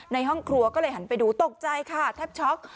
ในห้องครัวก็เลยหันไปดูตกใจค่ะแทบช็อก